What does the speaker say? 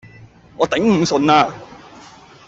我頂唔順啦